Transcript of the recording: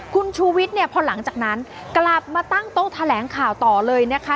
คุณชูวิทย์เนี่ยพอหลังจากนั้นกลับมาตั้งโต๊ะแถลงข่าวต่อเลยนะคะ